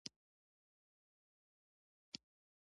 تاریخ د نړۍ په کچه کتلی شو.